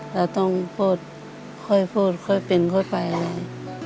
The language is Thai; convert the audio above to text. เราต้องพูดค่อยพูดค่อยเป็นค่อยไปเลย